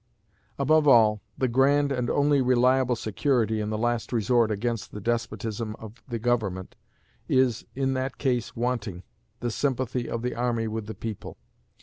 Above all, the grand and only reliable security in the last resort against the despotism of the government is in that case wanting the sympathy of the army with the people.